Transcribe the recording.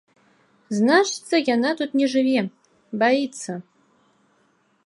Значыцца, яна тут не жыве, баіцца.